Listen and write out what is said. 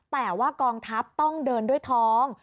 แต่ว่ากองทัพต้องเดินด้วยท้อง